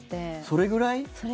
それくらい。